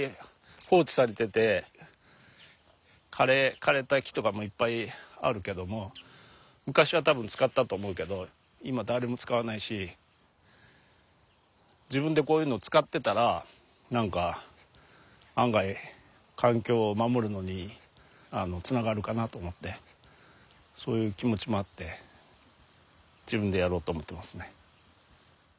枯れた木とかもいっぱいあるけども昔は多分使ったと思うけど今誰も使わないし自分でこういうのを使ってたら何か案外環境を守るのにつながるかなと思ってそういう気持ちもあって自分でやろうと思ってますね。